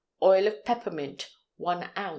Oil of peppermint 1 oz.